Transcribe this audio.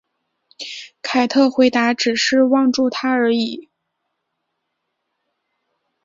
凯特回答只是望住他而已。